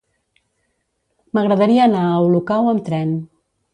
M'agradaria anar a Olocau amb tren.